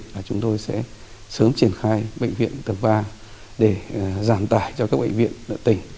là chúng tôi sẽ sớm triển khai bệnh viện tầng ba để giảm tài cho các bệnh viện tỉnh